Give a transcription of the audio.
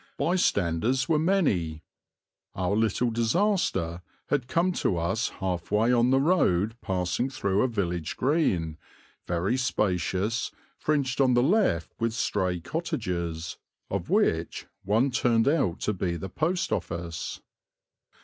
Bystanders were many. Our little disaster had come to us half way on the road passing through a village green, very spacious, fringed on the left with stray cottages, of which one turned out to be the post office.